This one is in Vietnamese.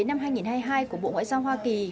năm hai nghìn hai mươi hai của bộ ngoại giao hoa kỳ